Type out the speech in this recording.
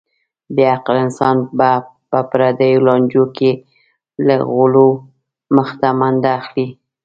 بې عقل انسان به په پردیو لانجو کې له غولو مخته منډه اخلي.